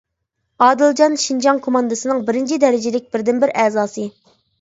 ئادىلجان شىنجاڭ كوماندىسىنىڭ بىرىنچى دەرىجىلىك بىردىنبىر ئەزاسى.